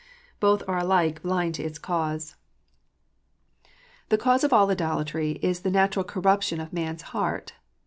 Both are alike blind to its cause. 404 KNOTS UNTIED. The cause of all idolatry is the natural corruption of man s heart.